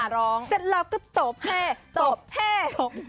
มาค่ะร้องเสร็จเราก็ตบแฮตบแฮตบ